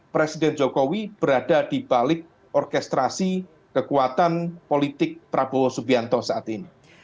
presiden jokowi berada di balik orkestrasi kekuatan politik prabowo subianto saat ini